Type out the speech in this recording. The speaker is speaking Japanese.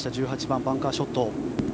１８番、バンカーショット。